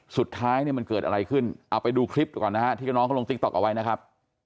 สุดท้ายเนี่ยมันเกิดอะไรขึ้นเอาไปดูคลิปก่อนนะฮะที่ก็น้องเขาลงติ๊กต๊อกเอาไว้นะครับ